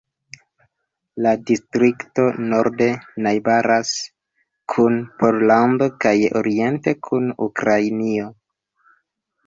La distrikto norde najbaras kun Pollando kaj oriente kun Ukrainio.